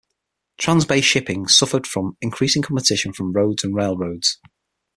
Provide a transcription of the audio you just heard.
Trans-bay shipping suffered from increasing competition from roads and railroads.